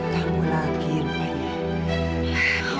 kamu lagi rupanya